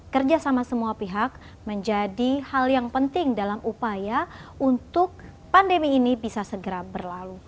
kerja sama semua pihak menjadi hal yang penting dalam upaya untuk pandemi ini bisa segar